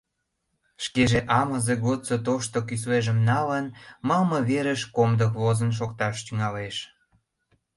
Шкеже, амызе годсо тошто кӱслежым налын, малыме верыш комдык возын шокташ тӱҥалеш.